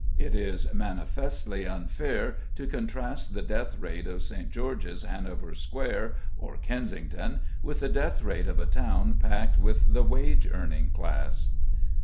It is manifestly unfair to contrast the death rate of St. George's, Hanover Square, or Kensington, with the death rate of a town packed with the wage earning class.